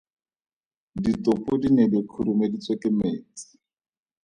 Ditopo di ne di khurumeditswe ke metsi.